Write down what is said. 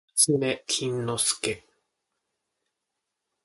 なつめきんのすけ